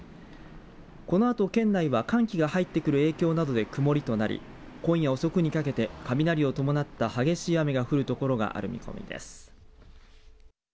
このあと県内は寒気が入ってくる影響などで曇りとなり今夜遅くにかけて雷を伴った激しい雨が降る所がある見込みです。